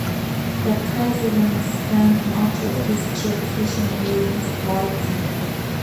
The president spent much of his trip fishing with his party.